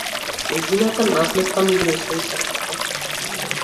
Нејзината насмевка ми го освои срцето.